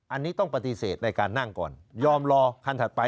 อันนี้ต้องปฏิเสธในการนั่งก่อนยอมรอคันถัดไป